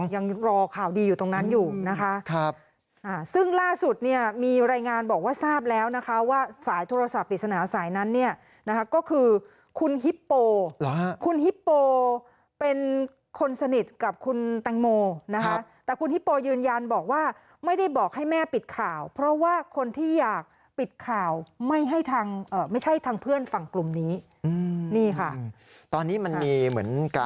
ยังรอข่าวดีอยู่ตรงนั้นอยู่นะคะซึ่งล่าสุดเนี่ยมีรายงานบอกว่าทราบแล้วนะคะว่าสายโทรศัพท์ปริศนาสายนั้นเนี่ยนะคะก็คือคุณฮิปโปคุณฮิปโปเป็นคนสนิทกับคุณแตงโมนะคะแต่คุณฮิปโปยืนยันบอกว่าไม่ได้บอกให้แม่ปิดข่าวเพราะว่าคนที่อยากปิดข่าวไม่ให้ทางไม่ใช่ทางเพื่อนฝั่งกลุ่มนี้นี่ค่ะตอนนี้มันมีเหมือนก